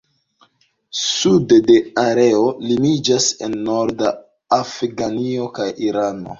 Sude la areo limiĝas en norda Afganio kaj Irano.